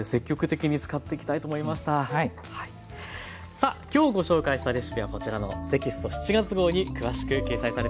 さあきょうご紹介したレシピはこちらのテキスト７月号に詳しく掲載されています。